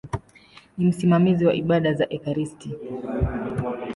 Ni msimamizi wa ibada za ekaristi.